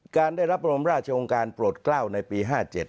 การได้รับรมราชองค์การโปรดกล้าวในปี๕๗